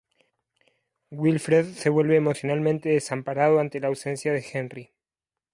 Wilfred se vuelve emocionalmente desamparado ante la ausencia de Henry.